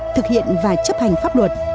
thực hiện và chấp hành pháp luật